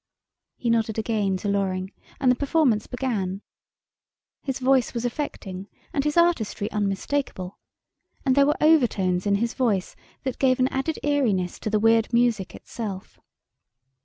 He nodded again to Loring, and the performance began. His voice was affecting, and his artistry unmistakable. And there were overtones in his voice that gave an added eeriness to the weird music itself.